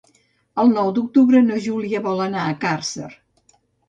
El nou d'octubre na Júlia vol anar a Càrcer.